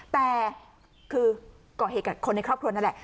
แต่คือก่อเหตุกับคนในครอบครัวนั่นแหละ